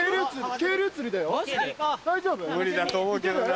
無理だと思うけどな。